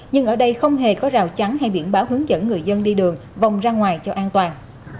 nhưng ở đây không hề có rào trắng hay biển báo hướng dẫn người dân đi đường vòng ra ngoài cho an toàn